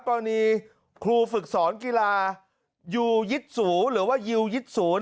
ตอนนี้ครูฝึกสอนกีฬายูยิสุหรือว่ายูยิสุ